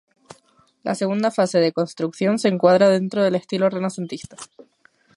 La segunda fase de construcción se encuadra dentro del estilo renacentista.